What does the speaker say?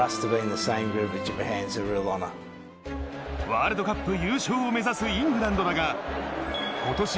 ワールドカップ優勝を目指すイングランドだが、今年。